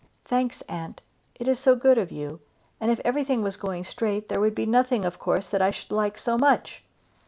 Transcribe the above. "Thanks, aunt; it is so good of you; and if everything was going straight, there would be nothing of course that I should like so much."